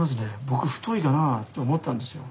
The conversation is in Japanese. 僕太いかなあと思ったんですよ。